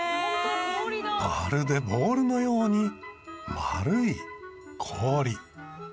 まるでボールのように丸い氷。